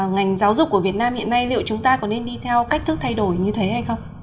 ngành giáo dục của việt nam hiện nay liệu chúng ta có nên đi theo cách thức thay đổi như thế hay không